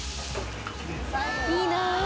いいな！